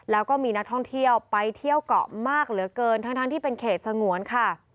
แล้วก็มีนักท่องเที่ยวไปเที่ยวเกาะมากเหลือเกินทั้งที่เป็นเขตสงวนค่ะ